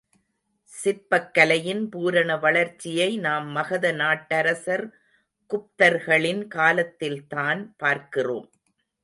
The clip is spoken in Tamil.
சிற்பக் கலையின் பூரண வளர்ச்சியை நாம் மகத நாட்டரசர் குப்தர்களின் காலத்தில்தான் பார்க்கிறோம்.